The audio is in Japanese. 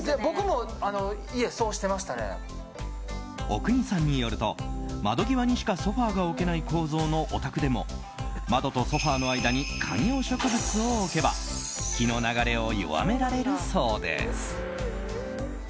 阿国さんによると窓際にしかソファが置けない構造のお宅でも窓とソファの間に観葉植物を置けば気の流れを弱められるそうです。